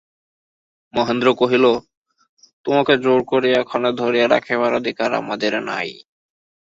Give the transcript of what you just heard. মহেন্দ্র কহিল, তোমাকে জোর করিয়া এখানে ধরিয়া রাখিবার অধিকার আমাদের নাই।